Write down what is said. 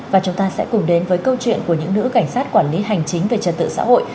và chúng ta sẽ cùng đến với câu chuyện của những nữ cảnh sát quản lý hành chính về trật tự xã hội